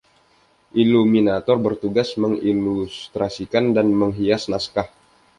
Illuminator bertugas mengilustrasikan dan menghias naskah.